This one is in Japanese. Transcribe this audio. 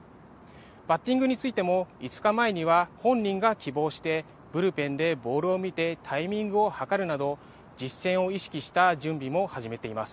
バッティングについても５日前には本人が希望してブルペンでボールを見てタイミングを計るなど実戦を意識した準備も始めています。